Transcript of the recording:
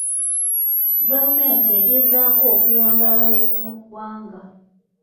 Gavumenti egezaako okuyamba abalimi mu ggwanga.